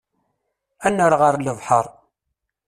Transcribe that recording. Ad nerr ɣer lebḥer.